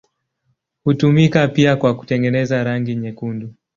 Hutumika pia kwa kutengeneza rangi nyekundu.